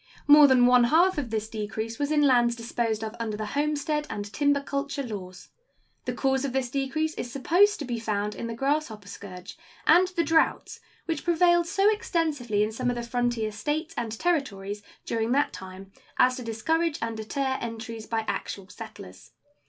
More than one half of this decrease was in lands disposed of under the homestead and timber culture laws. The cause of this decrease is supposed to be found in the grasshopper scourge and the droughts which prevailed so extensively in some of the frontier States and Territories during that time as to discourage and deter entries by actual settlers.